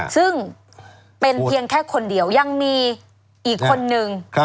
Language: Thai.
ซึ่งเป็นเพียงแค่คนเดียวยังมีอีกคนนึง